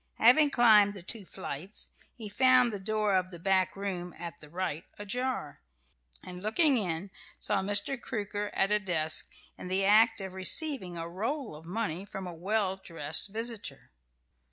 Having climbed the two flights, he found the door of the back room at the right ajar, and looking in, saw Mr. Crooker at a desk, in the act of receiving a roll of money from a well dressed visitor.